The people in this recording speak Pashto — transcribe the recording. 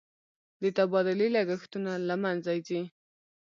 د تبادلې لګښتونه له مینځه ځي.